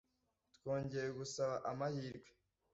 Twongeye gusaba amahirwe